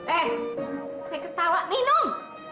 eh keketawa minum